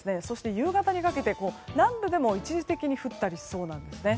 夕方にかけて南部でも一時的に降ったりしそうです。